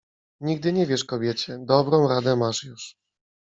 nigdy nie wierz kobiecie, dobrą radę masz już